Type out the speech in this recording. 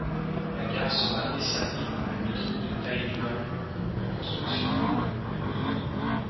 La gare sera desservie par le métro de Taiyuan, en construction.